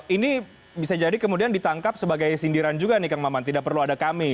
ini bisa jadi kemudian ditangkap sebagai sindiran juga nih kang maman tidak perlu ada kami